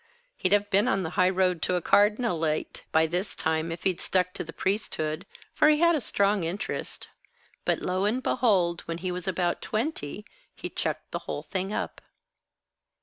He'd have been on the high road to a cardinalate by this time if he'd stuck to the priesthood, for he had strong interest. But, lo and behold, when he was about twenty, he chucked the whole thing up."